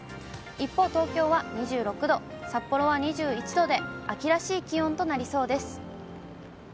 一方、東京は２６度、札幌は２１度で、秋らしい気温となりそうです。